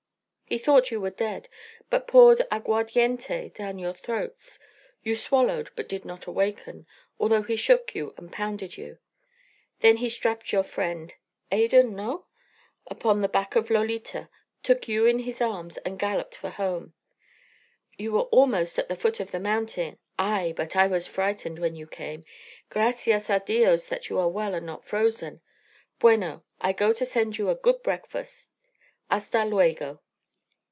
He thought you were dead, but poured aguardiente down your throats. You swallowed but did not awaken, although he shook you and pounded you. Then he strapped your friend Adan, no? upon the back of Lolita, took you in his arms, and galloped for home you were almost at the foot of the mountain. Ay! but I was frightened when you came. Gracias a dios that you are well and not frozen. Bueno, I go to send you a good breakfast. Hasta luego."